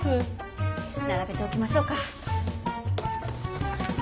並べておきましょうか。